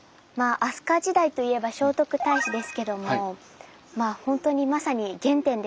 飛鳥時代といえば聖徳太子ですけども本当にまさに原点ですよね。